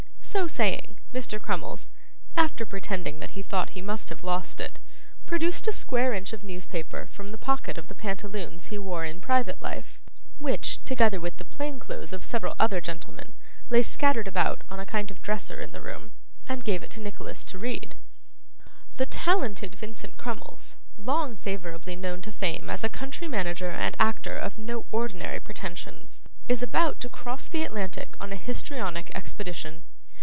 So saying, Mr. Crummles, after pretending that he thought he must have lost it, produced a square inch of newspaper from the pocket of the pantaloons he wore in private life (which, together with the plain clothes of several other gentlemen, lay scattered about on a kind of dresser in the room), and gave it to Nicholas to read: 'The talented Vincent Crummles, long favourably known to fame as a country manager and actor of no ordinary pretensions, is about to cross the Atlantic on a histrionic expedition.